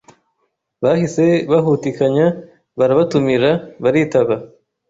Bahise bahutikanya barabatumira, baritaba;